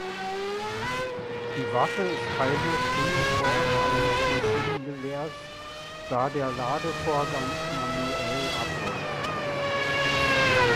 Die Waffe ist keine frühe Form eines Maschinengewehrs, da der Ladevorgang manuell abläuft.